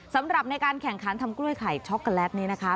สำหรับในการแข่งขันทำกล้วยไข่ช็อกโกแลตนี้นะคะ